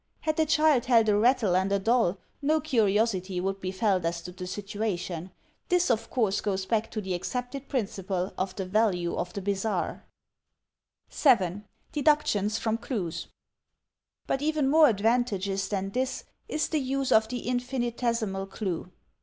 Had the child held a rattle and a doll no curiosity would be felt as to the situation. This, of course, goes back to the accepted principle of the value of the bizarre. 7. Deductions from Cities But even more advantageous than this is the use of the infinitesimal clue.